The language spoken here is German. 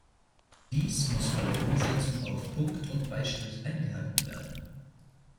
Dies muss bei der Umsetzung auf Punkt und Beistrich eingehalten werden.